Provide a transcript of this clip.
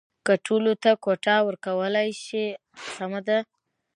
که ټولو ته کوټه ورکولای شي سمه ده.